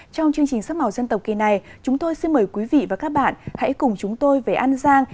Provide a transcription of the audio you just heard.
trong chương trình sắc màu dân tộc kỳ này chúng tôi xin mời quý vị và các bạn hãy cùng chúng tôi về an giang